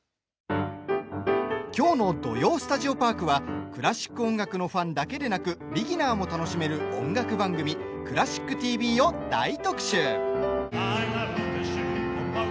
きょうの「土曜スタジオパーク」はクラシック音楽のファンだけでなくビギナーも楽しめる音楽番組「クラシックＴＶ」を大特集。